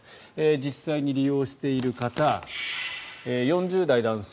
実際に利用している方４０代男性